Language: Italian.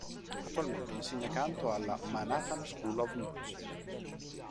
Attualmente insegna canto alla "Manhattan School of Music".